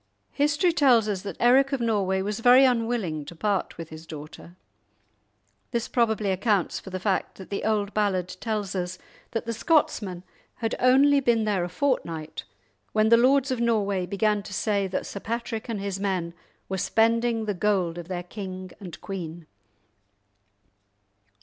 History tells us that Eric of Norway was very unwilling to part with his daughter. This probably accounts for the fact that the old ballad tells us that the Scotsmen had only been there a fortnight when the lords of Norway began to say that Sir Patrick and his men were spending the gold of their king and queen.